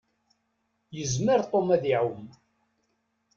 Yezmer Tom ad iɛumm.